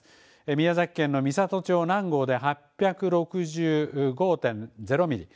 宮崎県の美郷町南郷で８６５．０ミリ。